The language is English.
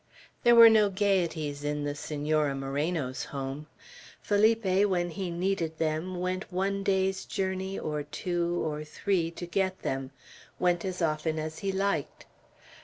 There were no gayeties in the Senora Moreno's home. Felipe, when he needed them, went one day's journey, or two, or three, to get them; went as often as he liked.